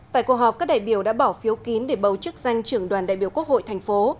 tại cuộc họp các đại biểu đã bỏ phiếu kín để bầu chức danh trưởng đoàn đại biểu quốc hội thành phố